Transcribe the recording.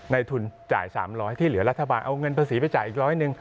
ในทุนจ่าย๓๐๐ที่เหลือรัฐบาลเอาเงินภาษีไปจ่ายอีกร้อยหนึ่ง